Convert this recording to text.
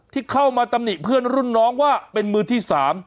ที่เข้ามาตำหนิเพื่อนรุ่นน้องว่าเป็นมือที่๓